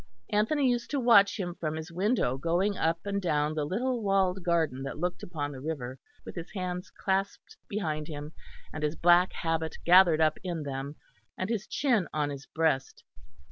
Anthony used to watch him from his window going up and down the little walled garden that looked upon the river, with his hands clasped behind him and his black habit gathered up in them, and his chin on his breast.